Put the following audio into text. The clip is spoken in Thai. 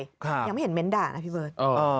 ยังไม่เห็นเน้นด่านะพี่เบิร์ต